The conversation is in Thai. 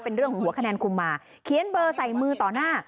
เป็นเรื่องของหัวคะแนนคุมมาเขียนเบอร์ใส่มือต่อหน้า